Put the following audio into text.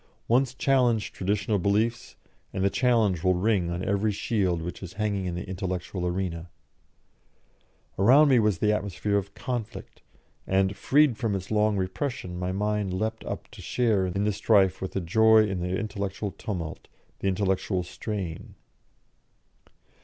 Once challenge traditional beliefs, and the challenge will ring on every shield which is hanging in the intellectual arena. Around me was the atmosphere of conflict, and, freed from its long repression, my mind leapt up to share in the strife with a joy in the intellectual tumult, the intellectual strain.